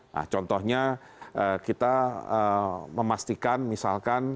nah contohnya kita